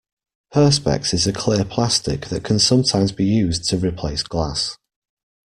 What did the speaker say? Perspex is a clear plastic that can sometimes be used to replace glass